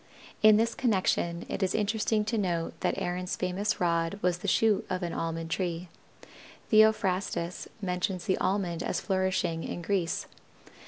In this connection it is interesting to note that Aaron's famous rod was the shoot of an Almond tree. Theophrastus mentions the Almond as flourishing in Greece.